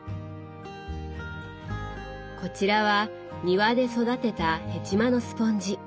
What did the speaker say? こちらは庭で育てたヘチマのスポンジ。